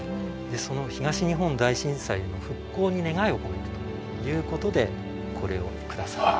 その東日本大震災の復興に願いを込めてということでこれを下さった。